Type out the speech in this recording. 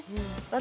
私！